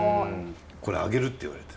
「これあげる」って言われて。